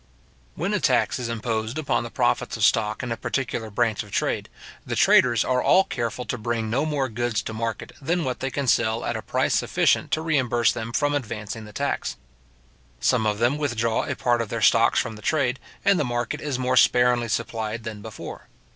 When a tax is imposed upon the profits of stock in a particular branch of trade, the traders are all careful to bring no more goods to market than what they can sell at a price sufficient to reimburse them from advancing the tax. Some of them withdraw a part of their stocks from the trade, and the market is more sparingly supplied than before.